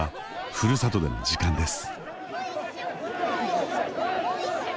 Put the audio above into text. ふるさとでの時間です。